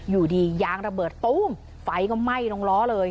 อยู่ดียางระเบิดตู้มไฟก็ไหม้ลงล้อเลย